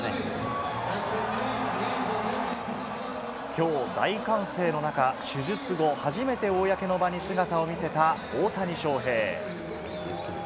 きょう、大歓声の中、手術後、初めて公の場に姿を見せた大谷翔平。